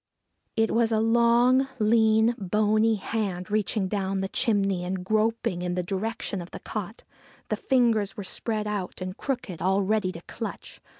It was a long, lean, bony hand reaching down the chimney and groping in the direction of the cot. The fingers were spread out and crooked, all ready to clutch.